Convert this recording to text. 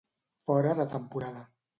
Fora de temporada.